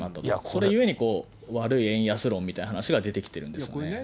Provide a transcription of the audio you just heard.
それゆえに、悪い円安論みたいな話が出てきてるんですよね。